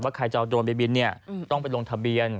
ใครจะเอาโดรนไปบินต้องไปลงทะเบียน